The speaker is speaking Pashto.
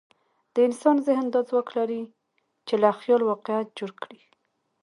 د انسان ذهن دا ځواک لري، چې له خیال واقعیت جوړ کړي.